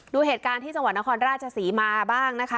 ดูเหตุการณ์ที่จังหวัดนครราชศรีมาบ้างนะคะ